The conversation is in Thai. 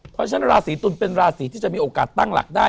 เพราะฉะนั้นราศีตุลเป็นราศีที่จะมีโอกาสตั้งหลักได้